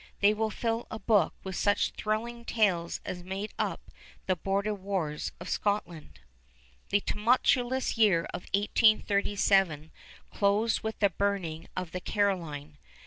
They would fill a book with such thrilling tales as make up the border wars of Scotland. The tumultuous year of 1837 closed with the burning of the Caroline.